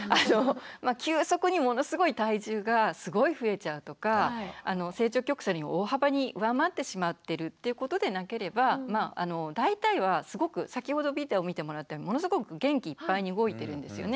急速にものすごい体重がすごい増えちゃうとか成長曲線より大幅に上回ってしまってるっていうことでなければ大体はすごく先ほどビデオ見てもらったようにものすごく元気いっぱいに動いてるんですよね。